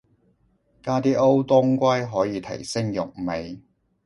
加啲歐當歸可以提升肉味